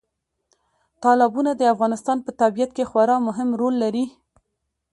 تالابونه د افغانستان په طبیعت کې خورا مهم رول لري.